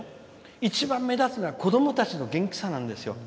一番目立つのは子どもたちの元気さなんですよ。